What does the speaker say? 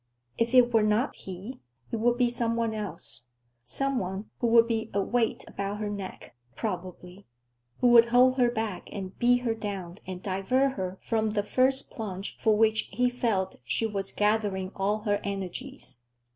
If it were not he, it would be some one else; some one who would be a weight about her neck, probably; who would hold her back and beat her down and divert her from the first plunge for which he felt she was gathering all her energies.